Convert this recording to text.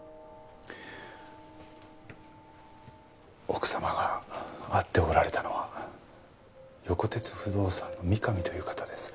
奥様が会っておられたのは横鉄不動産の三上という方です。